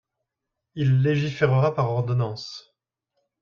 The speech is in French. Il légiférera par ordonnance.